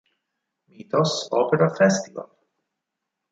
Mythos Opera Festival